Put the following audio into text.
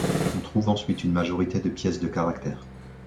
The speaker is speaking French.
On trouve ensuite une majorité de pièces de caractère.